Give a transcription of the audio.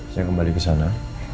saya kembali kesana